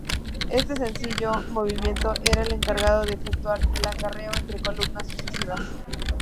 Este sencillo movimiento era el encargado de efectuar el acarreo entre columnas sucesivas.